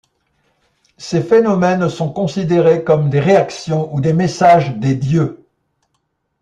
Ces phénomènes sont considérés comme des réactions ou des messages des dieux.